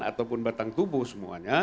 ataupun batang tubuh semuanya